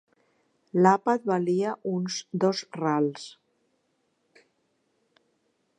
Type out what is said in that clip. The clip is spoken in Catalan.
L'àpat valia uns dos rals.